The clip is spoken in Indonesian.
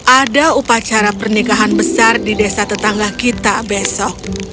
ada upacara pernikahan besar di desa tetangga kita besok